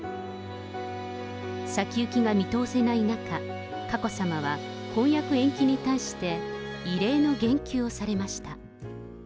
先行きが見通せない中、佳子さまは婚約延期に対して、異例の言及をされました。